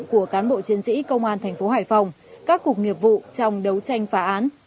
của cán bộ chiến sĩ công an tp hải phòng các cục nghiệp vụ trong đấu tranh phá án